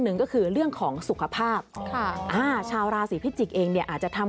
หนึ่งก็คือเรื่องของสุขภาพค่ะอ่าชาวราศีพิจิกษ์เองเนี่ยอาจจะทำ